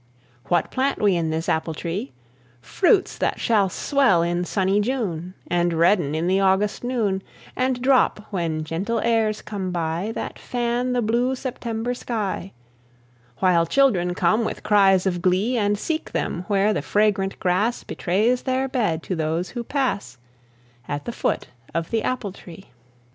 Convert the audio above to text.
What plant we in this apple tree? Fruits that shall swell in sunny June, And redden in the August noon, And drop, when gentle airs come by, That fan the blue September sky, While children come, with cries of glee, And seek them where the fragrant grass Betrays their bed to those who pass, At the foot of the apple tree.